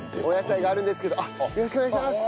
よろしくお願いします！